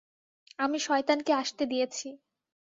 আমি শয়তানকে আসতে দিয়েছি।